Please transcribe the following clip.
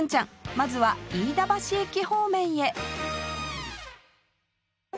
まずは飯田橋駅方面へ